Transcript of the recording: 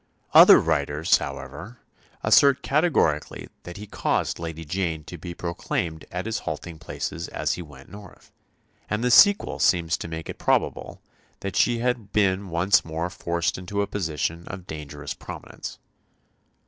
Other writers, however, assert categorically that he caused Lady Jane to be proclaimed at his halting places as he went north; and the sequel seems to make it probable that she had been once more forced into a position of dangerous prominence.